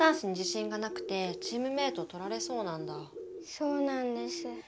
そうなんです。